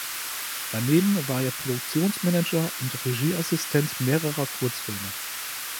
Daneben war er Produktionsmanager und Regieassistent mehrerer Kurzfilme.